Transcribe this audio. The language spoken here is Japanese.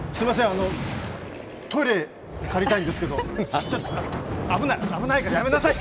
あの、トイレ借りたいんですけど危ない、危ないからやめなさい。